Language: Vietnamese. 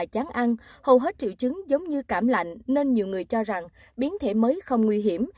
hầu hết triệu chứng giống như cảm lạnh nên nhiều người cho rằng biến thể mới không nguy hiểm